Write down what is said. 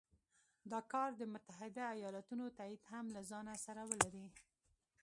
دا کار د متحدو ایالتونو تایید هم له ځانه سره ولري.